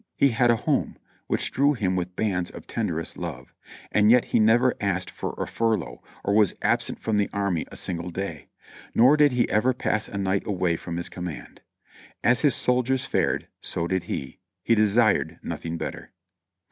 He had a home which drew him with bands of tenderest love, and yet he never asked for a furlough or was absent from the army a single day; nor did he ever pass a night away from his command. As his soldiers fared, so did he ; he desired nothing better.